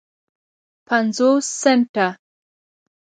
پینځوس سنټه